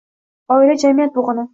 Oila – jamiyat bo‘g‘ini.